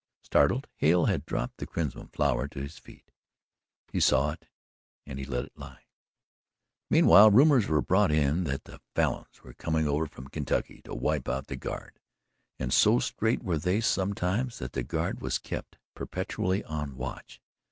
Startled, Hale had dropped the crimson flower to his feet. He saw it and he let it lie. Meanwhile, rumours were brought in that the Falins were coming over from Kentucky to wipe out the Guard, and so straight were they sometimes that the Guard was kept perpetually on watch.